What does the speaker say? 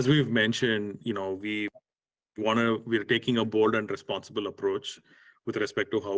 kami sangat transparan dalam hal apa yang dikumpulkan